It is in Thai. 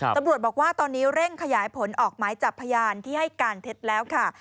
ตำรวจบอกว่าตอนนี้เร่งขยายผลออกหมายจับพยานที่ให้การเท็จแล้วค่ะ